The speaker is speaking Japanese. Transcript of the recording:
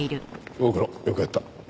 ご苦労よくやった。